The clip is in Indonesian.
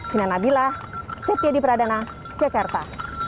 sinanabila setia di pradana jakarta